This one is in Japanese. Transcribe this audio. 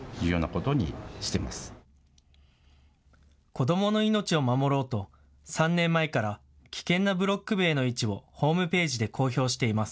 子どもの命を守ろうと３年前から危険なブロック塀の位置をホームページで公表しています。